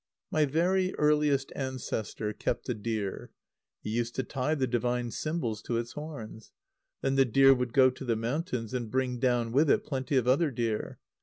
My very earliest ancestor kept a deer. He used to tie the divine symbols to its horns. Then the deer would go to the mountains, and bring down with it plenty of other deer.